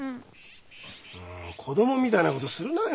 もう子供みたいなことするなよ。